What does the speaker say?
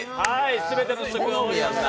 全ての試食が終わりました。